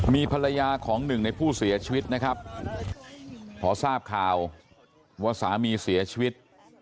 มีภรรยาของหนึ่งในผู้เสียชีวิตนะครับพอทราบข่าวว่าสามีเสียชีวิต